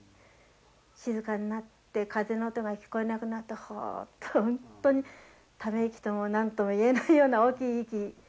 静かになって風の音が聞こえなくなるとほうっと本当にため息とも何とも言えないような大きい息するですけどね。